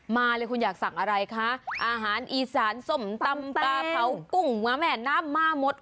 มาเลยคุณอยากสั่งอะไรคะอาหารอีสานส้มตำปลาเผากุ้งมาแม่น้ำมาหมด